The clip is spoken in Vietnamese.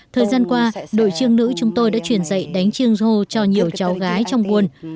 thời gian qua đội chiêng nữ chúng tôi đã truyền dạy đánh chiêng hô cho nhiều cháu gái trong buôn